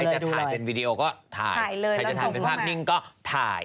จะถ่ายเป็นวีดีโอก็ถ่ายเลยใครจะถ่ายเป็นภาพนิ่งก็ถ่าย